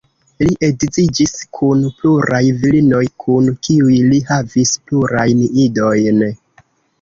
Li edziĝis kun pluraj virinoj kun kiuj li havis plurajn idojn.